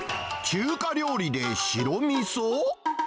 中華料理で白みそ？